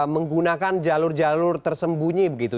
menggunakan jalur jalur tersembunyi begitu